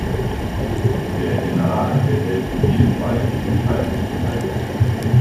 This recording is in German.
Der General behält in jedem Fall die Entscheidungshoheit.